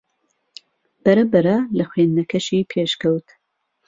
بەرەبەرە لە خوێندنەکەشی پێشکەوت